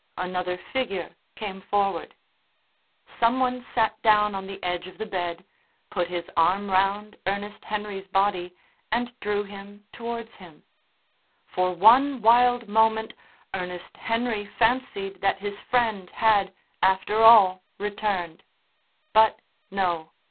Another figure came forward. Some one sat down on the edge of the bed, put his arm round Ernest Henry's body and drew him towards him. For one wild moment Ernest Henry fancied that his friend had, after all, returned. But no.